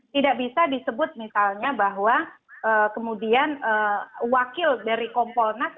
tidak bisa disebut misalnya bahwa kemudian wakil dari kompolnas